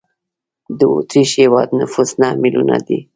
د اوترېش هېواد نفوس نه میلیونه دی.